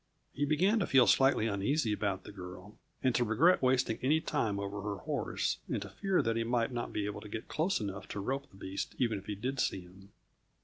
He began to feel slightly uneasy about the girl, and to regret wasting any time over her horse, and to fear that he might not be able to get close enough to rope the beast, even if he did see him.